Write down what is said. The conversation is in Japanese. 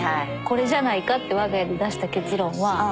これじゃないかって我が家で出した結論は。